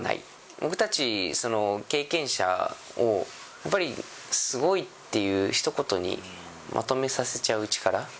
僕たち経験者を、やっぱり、すごいっていうひと言にまとめさせちゃう力。